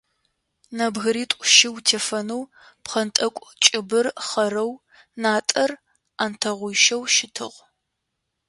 Нэбгыритӏу-щы утефэнэу, пхъэнтӏэкӏу кӏыбыр хъэрэу, натӏэр ӏантэгъуищэу щытыгъ.